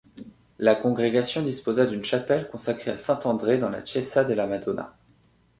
La Congrégation disposa d’une chapelle consacrée à Saint André dans la Chiesa della Madonna.